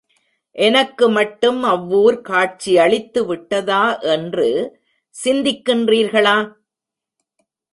எனக்கு மட்டும் அவ்வூர் காட்சியளித்து விட்டதா என்று சிந்திக்கின்றீர்களா?